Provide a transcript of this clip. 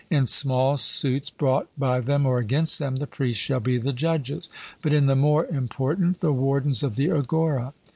In small suits brought by them or against them, the priests shall be the judges; but in the more important, the wardens of the agora.